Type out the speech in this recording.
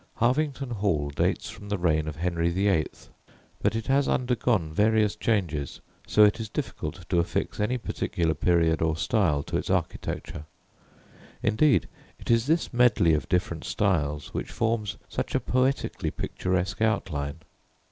Harvington Hall dates from the reign of Henry VIII., but it has undergone various changes, so it is difficult to affix any particular period or style to its architecture; indeed, it is this medley of different styles which forms such a poetically picturesque outline.